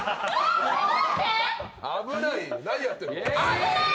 危ない。